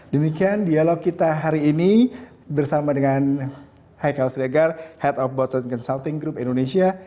demikian dialog kita hari ini bersama dengan haikal sregar head of botton consulting group indonesia